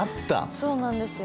そうなんですよ。